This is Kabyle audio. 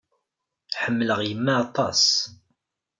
Ḥemmleɣ yemma aṭas.